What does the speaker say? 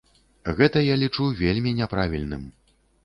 Гэта я лічу вельмі няправільным.